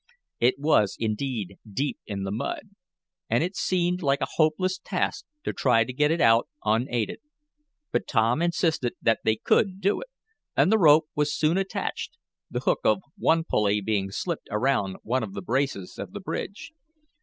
It was indeed deep in the mud and it seemed like a hopeless task to try to get it out unaided. But Tom insisted that they could do it, and the rope was soon attached, the hook of one pulley being slipped around one of the braces of the bridge.